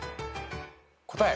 答え。